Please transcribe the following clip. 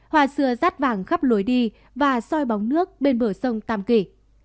hoa xưa rát vàng khắp lối đi và soi bóng nước bên bờ sông tam kỳ